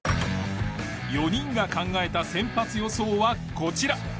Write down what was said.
４人が考えた先発予想はこちら。